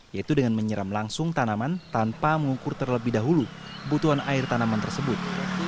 yaitu dengan menyeram langsung tanaman tanpa mengukur terlebih dahulu butuhan air tanaman tersebut